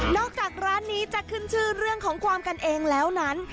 จากร้านนี้จะขึ้นชื่อเรื่องของความกันเองแล้วนั้น